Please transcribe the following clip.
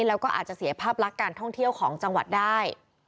แล้วก็อาจจะเสียภาพลักษณ์การท่องเที่ยวของจังหวัดได้